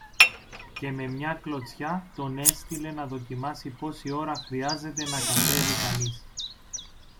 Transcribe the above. και με μια κλωτσιά τον έστειλε να δοκιμάσει πόση ώρα χρειάζεται να κατέβει κανείς